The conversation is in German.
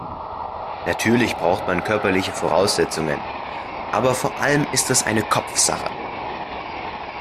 Natürlich braucht man körperliche Voraussetzungen, aber vor allem ist es eine Kopfsache.